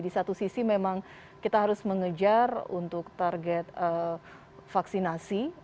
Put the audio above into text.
di satu sisi memang kita harus mengejar untuk target vaksinasi